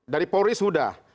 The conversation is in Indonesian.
dari polis sudah